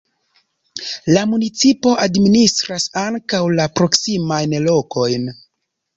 La municipo administras ankaŭ la proksimajn lokojn.